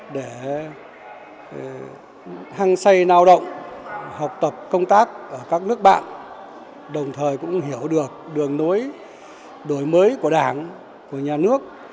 nhiều bà con đang xây nào động học tập công tác ở các nước bạn đồng thời cũng hiểu được đường nối đổi mới của đảng của nhà nước